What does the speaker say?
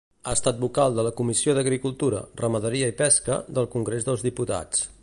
Ha estat Vocal de la Comissió d'Agricultura, Ramaderia i Pesca del Congrés dels Diputats.